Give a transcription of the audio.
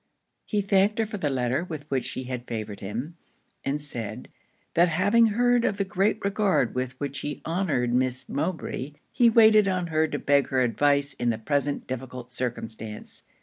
He thanked her for the letter with which she had favoured him; and said, 'that having heard of the great regard with which she honoured Miss Mowbray, he waited on her to beg her advice in the present difficult circumstance.